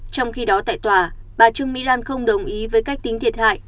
trong khi đó tại tòa bà trương mỹ lan không đồng ý với cách tính thiệt hại